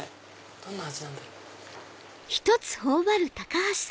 どんな味なんだろう？